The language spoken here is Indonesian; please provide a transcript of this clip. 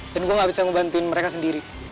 dan gue gak bisa ngebantuin mereka sendiri